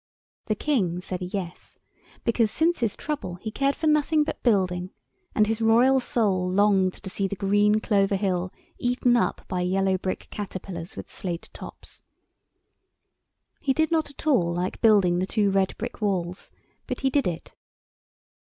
The King said "Yes," because since his trouble he cared for nothing but building, and his royal soul longed to see the green Clover Hill eaten up by yellow brick caterpillars with slate tops. He did not at all like building the two red brick walls, but he did it.